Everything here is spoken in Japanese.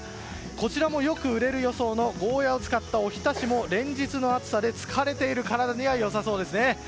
こちらもよく売れる予想のゴーヤーを使ったおひたしも連日の暑さで疲れている体には良さそうですね。